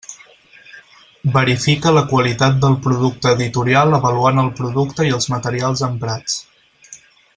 Verifica la qualitat del producte editorial avaluant el producte i els materials emprats.